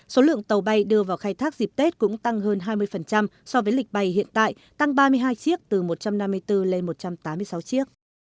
số lượng tàu bay đưa vào khai thác dịp tết cũng tăng hơn hai mươi so với lịch bay hiện tại tăng ba mươi hai chiếc từ một trăm năm mươi bốn lên một trăm tám mươi sáu chiếc